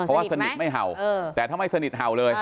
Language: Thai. เพราะว่าสนิทไม่เห่าแต่ถ้าไม่สนิทเห่าเลย